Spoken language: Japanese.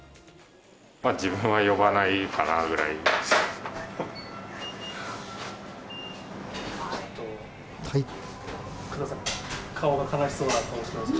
自分は呼ばないかなぐらいです。